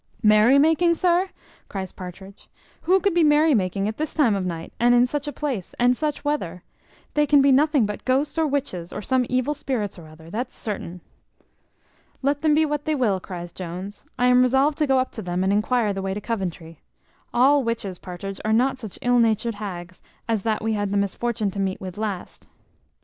"Merry making, sir!" cries Partridge; "who could be merry making at this time of night, and in such a place, and such weather? They can be nothing but ghosts or witches, or some evil spirits or other, that's certain." "Let them be what they will," cries Jones, "I am resolved to go up to them, and enquire the way to Coventry. All witches, Partridge, are not such ill natured hags as that we had the misfortune to meet with last."